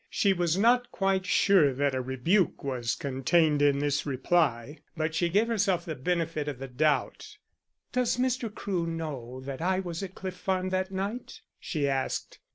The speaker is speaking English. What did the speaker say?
She was not quite sure that a rebuke was contained in this reply, but she gave herself the benefit of the doubt. "Does Mr. Crewe know that I was at Cliff Farm that night?" she asked.